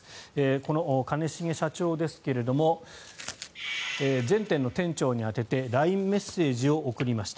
この兼重社長ですが全店の店長に宛ててＬＩＮＥメッセージを送りました。